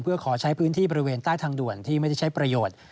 เพื่อขอใช้พื้นที่บริเวณใต้ทางด่วนที่ไม่ได้ใช้ประโยชน์